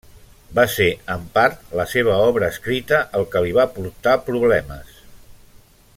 Va ser, en part, la seva obra escrita el que li va portar problemes.